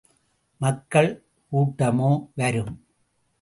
மக்கள் கூட்டமோ வரும்.